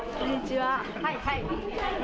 はいはい。